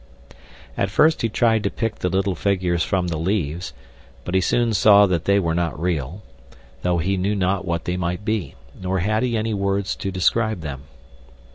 At first he tried to pick the little figures from the leaves, but he soon saw that they were not real, though he knew not what they might be, nor had he any words to describe them.